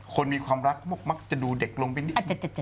คนมีความรักมักจะดูเด็กลงไปนิด